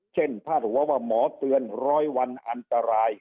เช่นพาดหัวว่าหมอเตือน๑๐๐วันอันตราย